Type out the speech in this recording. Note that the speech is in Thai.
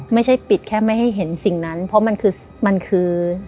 ไม่ใช่ปิดแค่ไม่ให้เห็นสิ่งนั้นเพราะมันคือมันคือ